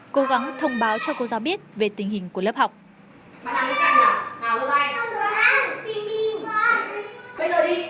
cô gái đã xuất hiện với rất nhiều những món đồ ăn vặt khiến bất cứ đứa trẻ nào cũng bị thu hút